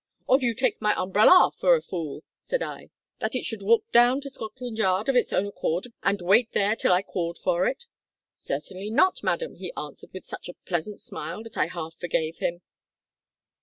"`Or do you take my umbrellar for a fool,' said I, `that it should walk down to Scotland Yard of its own accord and wait there till I called for it?' "`Certainly not, madam,' he answered with such a pleasant smile that I half forgave him.